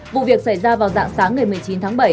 vụ việc xảy ra vào dạng sáng ngày một mươi chín tháng bảy